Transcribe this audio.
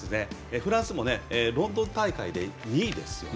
フランスもロンドン大会で２位ですよね。